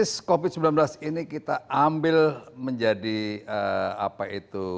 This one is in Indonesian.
presiden pernah menyampaikan bahwa situasi krisis covid sembilan belas ini kita ambil menjadi apa itu